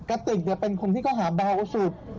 กติกเนี่ยเป็นคนที่เขาหาเบากว่าสุด